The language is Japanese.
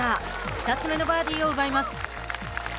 ２つ目のバーディーを奪います。